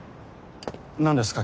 何ですか？